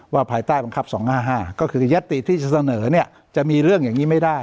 ว่าภายใต้บังคับสองห้าห้าก็คือยัตติที่เสนอเนี้ยจะมีเรื่องอย่างงี้ไม่ได้